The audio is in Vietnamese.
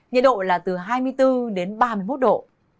nhiệt độ là từ hai mươi bốn đến ba mươi một độ